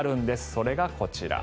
それがこちら。